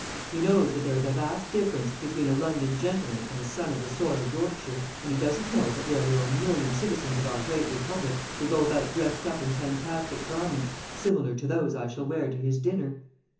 He knows that there is a vast difference between a London gentleman and a son of the soil of Yorkshire, and he doesn't know but what there are a million citizens of our great republic who go about dressed up in fantastic garments similar to those I shall wear to his dinner.